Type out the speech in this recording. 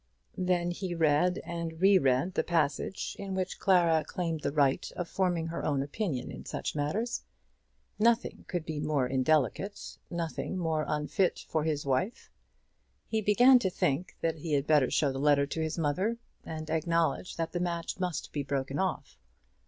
Then he read and re read the passage in which Clara claimed the right of forming her own opinion in such matters. Nothing could be more indelicate; nothing more unfit for his wife. He began to think that he had better show the letter to his mother, and acknowledge that the match must be broken off.